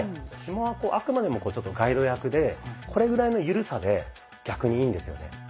ひもはあくまでもちょっとガイド役でこれぐらいのゆるさで逆にいいんですよね。